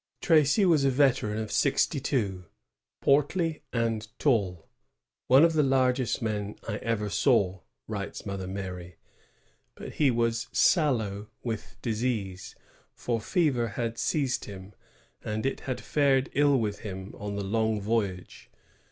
Tracy was a veteran of sixty two, portly and tall, one of the largest men I ever saw," writes Mother Mary; but he was sallow with disease, for fever had seized him, and it had fared ill with him on the long voyage.